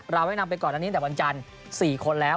แนะนำไปก่อนอันนี้ตั้งแต่วันจันทร์๔คนแล้ว